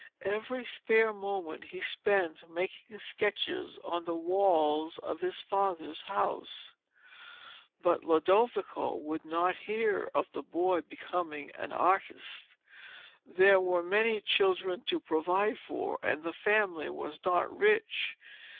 Every spare moment he spent making sketches on the walls of his father's house. But Lodovico would not hear of the boy becoming an artist. There were many children to provide for, and the family was not rich.